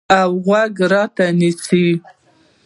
اوغوږ راته نیسي